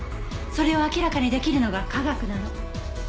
それを明らかに出来るのが科学なの。